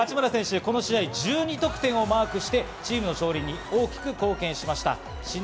八村選手、この試合１２得点をマークしてチームの勝利に大きく貢献しました。